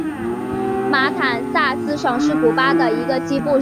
马坦萨斯省是古巴的一个西部省份。